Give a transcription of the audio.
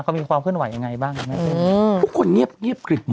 เขามีความขึ้นไหวยังไงบ้าง